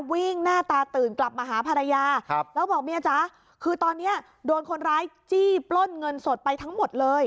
หน้าตาตื่นกลับมาหาภรรยาแล้วบอกเมียจ๊ะคือตอนนี้โดนคนร้ายจี้ปล้นเงินสดไปทั้งหมดเลย